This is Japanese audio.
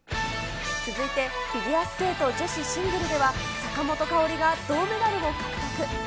続いてフィギュアスケート女子シングルでは、坂本花織が銅メダルを獲得。